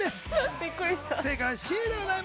びっくりした。